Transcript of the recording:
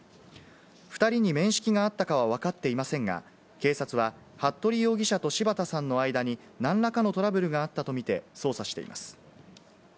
２人に面識があったかはわかっていませんが、警察は服部容疑者と柴田さんの間に何らかのトラブルがあったとみて捜査しています。